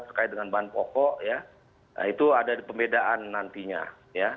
terkait dengan bahan pokok ya itu ada pembedaan nantinya ya